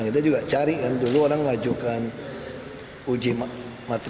kita juga cari kan dulu orang ngajukan uji materi